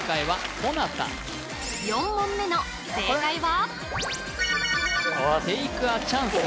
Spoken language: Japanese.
５問目の正解は？